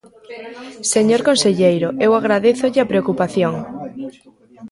Señor conselleiro, eu agradézolle a preocupación.